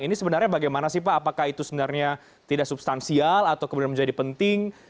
ini sebenarnya bagaimana sih pak apakah itu sebenarnya tidak substansial atau kemudian menjadi penting